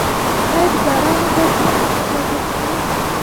آیا د باران اوبه ځمکې ته جذب کړم؟